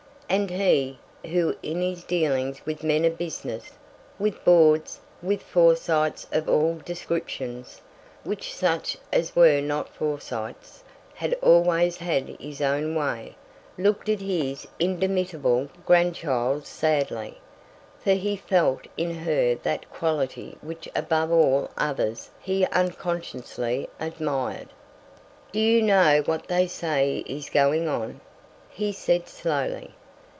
And he, who in his dealings with men of business, with Boards, with Forsytes of all descriptions, with such as were not Forsytes, had always had his own way, looked at his indomitable grandchild sadly—for he felt in her that quality which above all others he unconsciously admired. "Do you know what they say is going on?" he said slowly.